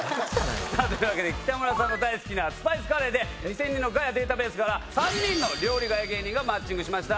というわけで北村さんの大好きなスパイスカレーで２０００人のガヤデータベースから３人の料理ガヤ芸人がマッチングしました。